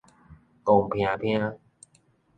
狂抨抨